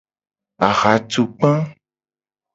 Ahatukpa.